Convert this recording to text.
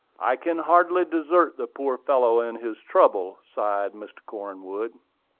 "I can hardly desert the poor fellow in his trouble," sighed Mr. Cornwood.